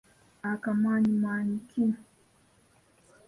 Aka Mwayi Mwayi ki?